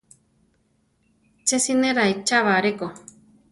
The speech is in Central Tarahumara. Ché siné raichába aréko.